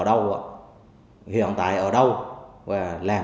điều trợ viên